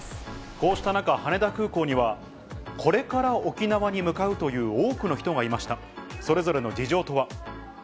こうした中、羽田空港には、これから沖縄に向かうという多くの人がいました。